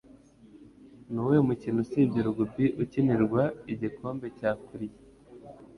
Nuwuhe mukino usibye Rugby ukinirwa Igikombe cya Currie?